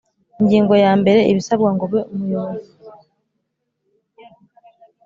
Ingingo ya mbere Ibisabwa ngo ube umuyobozi